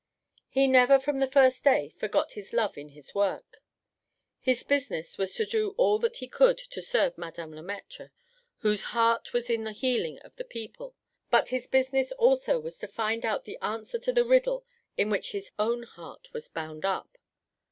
He never from the first day forgot his love in his work. His business was to do all that he could to serve Madame Le Maître, whose heart was in the healing of the people, but his business also was to find out the answer to the riddle in which his own heart was bound up.